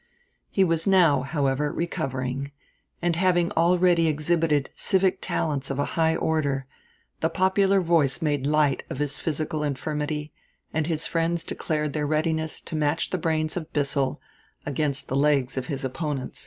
He was now, however, recovering; and having already exhibited civic talents of a high order, the popular voice made light of his physical infirmity, and his friends declared their readiness to match the brains of Bissell against the legs of his opponents.